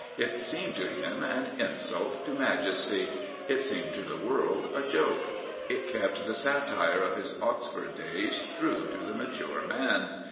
It seemed to him an insult to majesty. It seemed to the world a joke. It kept the satire of his Oxford days true to the mature man.